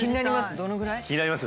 気になります。